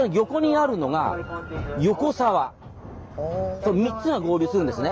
その３つが合流するんですね。